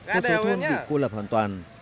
cô số thông bị cô lập hoàn toàn